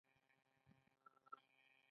د افغانستان خلک میلمه پال دي